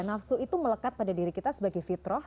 nafsu itu melekat pada diri kita sebagai fitroh